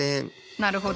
なるほど。